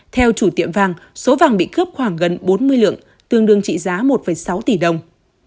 theo chủ tiệm vàng số vàng bị cướp khoảng gần bốn mươi lượng tương đương trị giá một sáu tỷ đồng